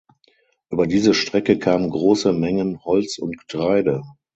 Über diese Strecke kamen große Mengen Holz und Getreide.